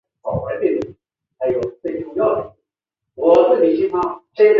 不料其父嫌贫爱富坚决不允。